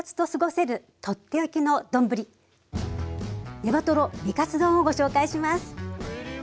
「ネバトロ美活丼」をご紹介します。